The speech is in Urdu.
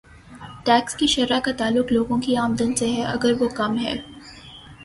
ٹیکس کی شرح کا تعلق لوگوں کی آمدن سے ہے اگر وہ کم ہے۔